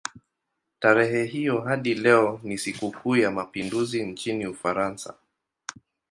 Tarehe hiyo hadi leo ni sikukuu ya mapinduzi nchini Ufaransa.